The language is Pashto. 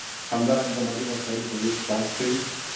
همدارنګه د مادي وسایلو په ویش بحث کوي.